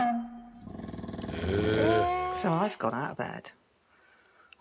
へえ。